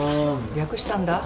略したんだ。